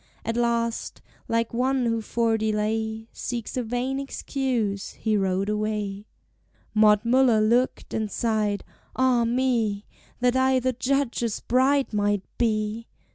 At last, like one who for delay Seeks a vain excuse, he rode away. Maud Muller looked and sighed: "Ah me! That I the Judge's bride might be!